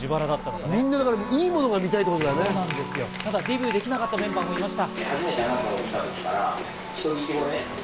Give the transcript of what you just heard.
ただ、デビューできなかったメンバーもいました。